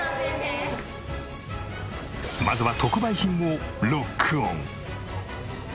まずは特売品をロックオン。